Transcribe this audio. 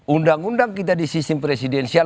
undang undang kita di sistem presidensial